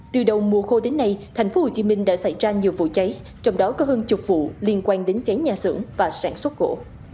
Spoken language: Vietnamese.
từ đầu mùa khô đến nay tp hcm đã xảy ra nhiều vụ cháy trong đó có hơn chục vụ liên quan đến cháy nhà xưởng và sản xuất gỗ